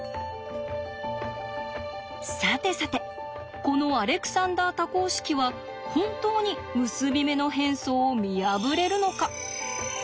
さてさてこのアレクサンダー多項式は本当に結び目の変装を見破れるのか。